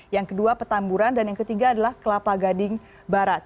yang kedua petamburan dan yang ketiga adalah kelapa gading barat